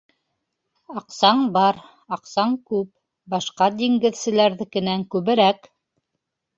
Аҡсаң бар... аҡсаң күп... башҡа диңгеҙселәрҙекенән күберәк.